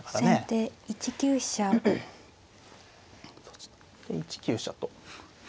で１九飛車と。